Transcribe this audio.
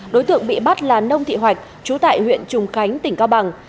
đối tượng bị bắt là nông thị hoạch chú tại huyện trùng khánh tỉnh cao bằng